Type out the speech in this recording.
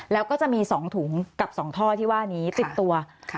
แล้วก็จะมี๒ถุงกับ๒ท่อที่ว่านี้ติดตัว